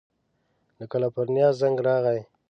له کلیفورنیا زنګ راغی.